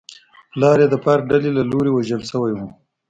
پلار یې د فارک ډلې له لوري وژل شوی و.